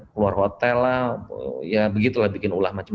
keluar hotel lah ya begitu lah bikin ulah macam